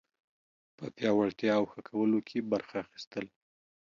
په پیاوړتیا او ښه کولو کې برخه اخیستل